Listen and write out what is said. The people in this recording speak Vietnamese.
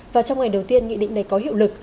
và trong ngày đầu tiên nghị định này có hiệu lực